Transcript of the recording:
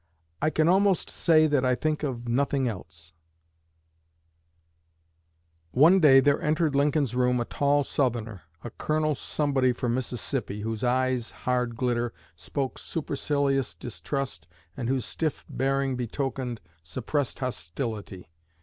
"I can almost say that I think of nothing else." One day there entered Lincoln's room a tall Southerner, a Colonel Somebody from Mississippi, whose eye's hard glitter spoke supercilious distrust and whose stiff bearing betokened suppressed hostility.